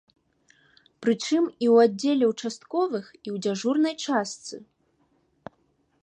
Прычым, і ў аддзеле участковых, і ў дзяжурнай частцы.